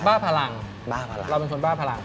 บ้าพลังเราเป็นคนบ้าพลัง